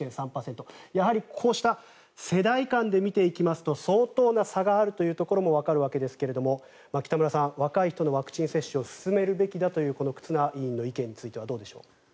やはりこうした世代間で見ていきますと相当な差があるというところもわかるわけですが北村さん、若い人へのワクチン接種を進めるべきだというこの忽那委員の意見についてはどうでしょう。